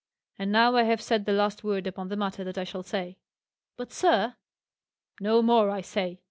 And now I have said the last word upon the matter that I shall say." "But, sir " "No more, I say!"